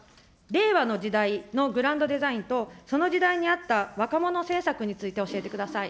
令和の時代のグランドデザインと、その時代に合った若者政策について教えてください。